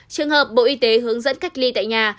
trường hợp bộ y tế hướng dẫn cách ly tại nhà